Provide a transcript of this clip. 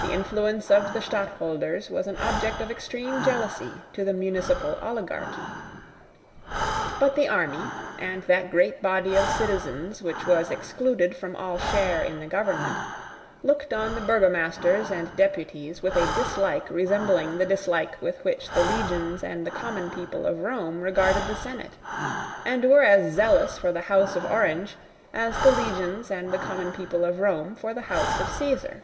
The influence of the Stadtholders was an object of extreme jealousy to the municipal oligarchy. But the army, and that great body of citizens which was excluded from all share in the government, looked on the Burgomasters and Deputies with a dislike resembling the dislike with which the legions and the common people of Rome regarded the Senate, and were as zealous for the House of Orange as the legions and the common people of Rome for the House of Caesar.